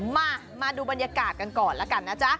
มาดูบรรยากาศกันก่อนแล้วกันนะจ๊ะ